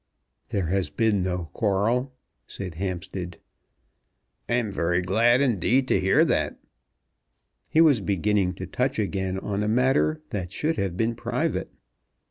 "There has been no quarrel," said Hampstead. "I am very glad indeed to hear that." He was beginning to touch again on a matter that should have been private.